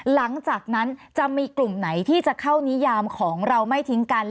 หลังจากนั้นจะมีกลุ่มไหนที่จะเข้านิยามของเราไม่ทิ้งกัน